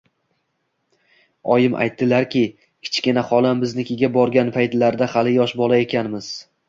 Oyim aytdilarki, kichkina xolam biznikiga borgan paytlarda hali yosh bola ekanmiz